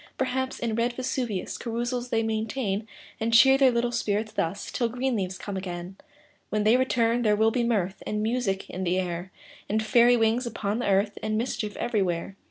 Perhaps, in red Vesuvius Carousals they maintain ; And cheer their little spirits thus, Till green leaves come again. When they return, there will be mirth And music in the air, And fairy wings upon the earth, And mischief everywhere.